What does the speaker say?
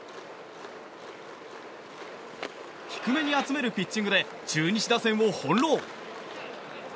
低めに集めるピッチングで中日打線を翻弄。